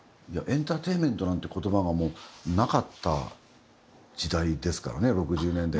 エンターテインメントなんてことばがなかった時代ですからね６０年代。